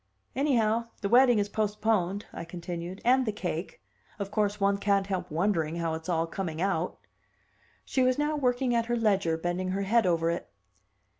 "Anyhow, the wedding is postponed," I continued; "and the cake. Of course one can't help wondering how it's all coming out." She was now working at her ledger, bending her head over it.